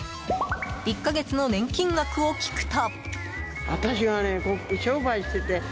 １か月の年金額を聞くと。